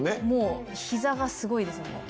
もうひざがすごいです。